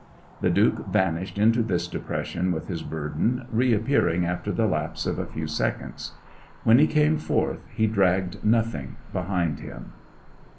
The Duke vanished into this depression with his burden, reappearing after the lapse of a few seconds. When he came forth he dragged nothing behind him.